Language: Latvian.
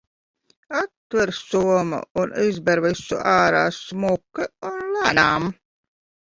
Atver somu un izber visu ārā, smuki un lēnām.